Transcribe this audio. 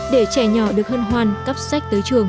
để trẻ nhỏ được hân hoan cắp sách tới trường